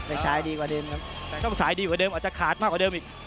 ซ้ายดีกว่าเดิมครับแต่ต้องสายดีกว่าเดิมอาจจะขาดมากกว่าเดิมอีก